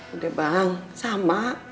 udah bang sama